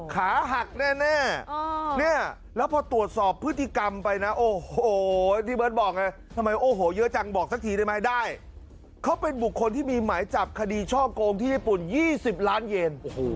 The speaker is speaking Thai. ขาหักแน่เนี่ยแล้วพอตรวจสอบพฤติกรรมไปนะโอ้โหที่เบิร์ตบอกไงทำไมโอ้โหเยอะจังบอกสักทีได้ไหมได้เขาเป็นบุคคลที่มีหมายจับคดีช่อโกงที่ญี่ปุ่น๒๐ล้านเยน